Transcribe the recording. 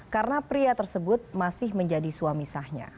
karena pria tersebut masih menjadi suami sahnya